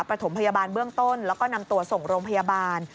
ประถมพยาบาลเบื้องต้นแล้วก็นำตัวส่งโรงพยาบาล